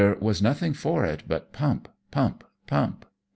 was nothing for it but pump^ pump, pump.